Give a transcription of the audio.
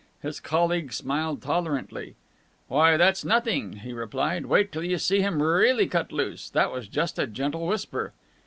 His colleague smiled tolerantly. "Why, that's nothing!" he replied. "Wait till you see him really cut loose! That was just a gentle whisper!"